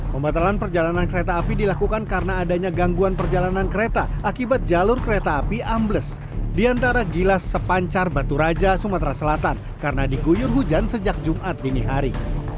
pembatalan perjalanan kereta api dilakukan karena adanya gangguan perjalanan kereta akibat jalur kereta api ambles di antara gilas sepancar batu raja sumatera selatan karena diguyur hujan sejak jumat dini hari